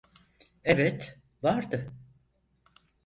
Evet, vardı.